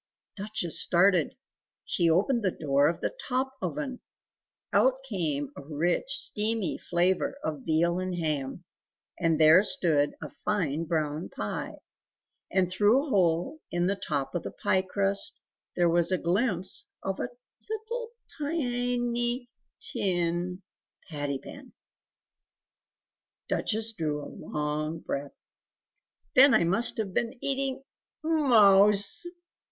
Duchess started! She opened the door of the TOP oven; out came a rich steamy flavour of veal and ham, and there stood a fine brown pie, and through a hole in the top of the pie crust there was a glimpse of a little tin patty pan! Duchess drew a long breath "Then I must have been eating MOUSE!...